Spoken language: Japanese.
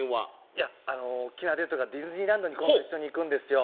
いやおっきなデートがディズニーランドに今度一緒に行くんですよ